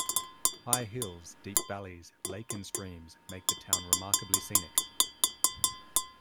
High hills, deep valleys, lake and streams, make the town remarkably scenic.